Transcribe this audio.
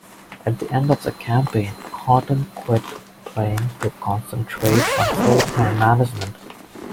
At the end of the campaign Horton quit playing to concentrate on full-time management.